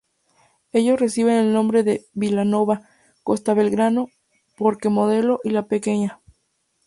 Ellos reciben el nombre de "Vilanova", "Costa Belgrano", "Parque Modelo" y "La Pequeña".